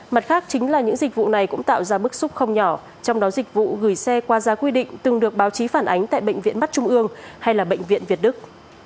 mặt khác chính là những dịch vụ này cũng tạo ra bức xúc không nhỏ trong đó dịch vụ gửi xe qua giá quy định từng được báo chí phản ánh tại bệnh viện mắt trung ương hay là bệnh viện việt đức